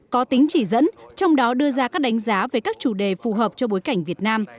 có tính chỉ dẫn trong đó đưa ra các đánh giá về các chủ đề phù hợp cho bối cảnh việt nam